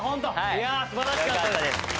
いやあ素晴らしかったです。